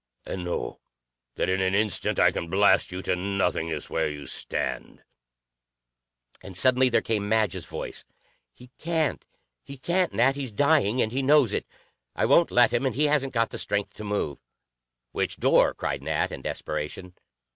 And know that in an instant I can blast you to nothingness where you stand!" And suddenly there came Madge's voice, "He can't! He can't, Nat. He's dying, and he knows it. I won't let him, and he hasn't got the strength to move." "Which door?" cried Nat in desperation.